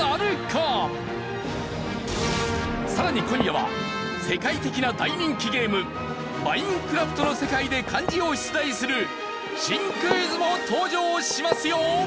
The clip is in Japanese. さらに今夜は世界的な大人気ゲーム『マインクラフト』の世界で漢字を出題する新クイズも登場しますよ！